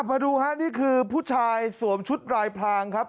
มาดูฮะนี่คือผู้ชายสวมชุดลายพลางครับ